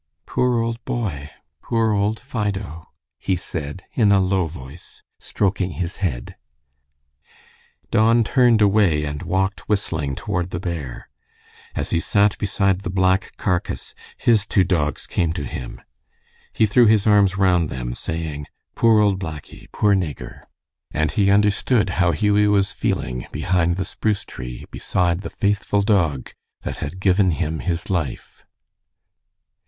"Poor old boy, poor old Fido," he said, in a low voice, stroking his head. Don turned away and walked whistling toward the bear. As he sat beside the black carcass his two dogs came to him. He threw his arms round them, saying, "Poor old Blackie! Poor Nigger!" and he understood how Hughie was feeling behind the spruce tree beside the faithful dog that had given him his life.